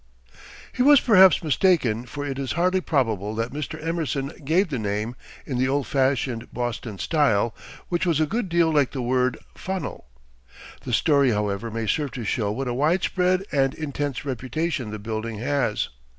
He was perhaps mistaken, for it is hardly probable that Mr. Emerson gave the name in the old fashioned Boston style, which was a good deal like the word funnel. The story, however, may serve to show what a widespread and intense reputation the building has.